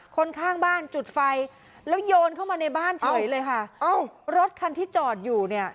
คนข้างบ้านจุดไฟแล้วโยนเข้ามาในบ้านเฉยเลยค่ะอ้าวรถคันที่จอดอยู่เนี่ย